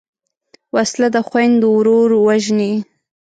وسله د خویندو ورور وژني